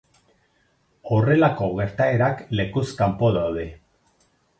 Horrelako gertaerak lekuz kanpo daude.